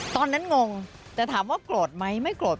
งงแต่ถามว่าโกรธไหมไม่โกรธ